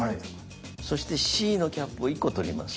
そしてＣのキャップを１個取ります。